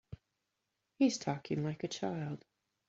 He's talking like a child.